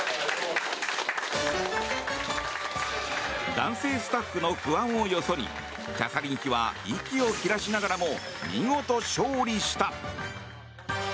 男性スタッフの不安をよそにキャサリン妃は息を切らしながらも見事、勝利した。